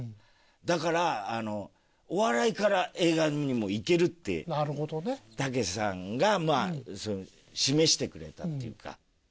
だからお笑いから映画にもいけるってたけしさんが示してくれたっていうか。